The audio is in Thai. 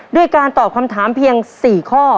ด้วยการตอบคำถามเพียง๔ข้อ